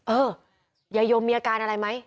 เออยายยมมีอาการอะไรไหม